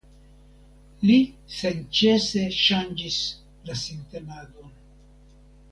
Li senĉese ŝanĝis la sintenadon.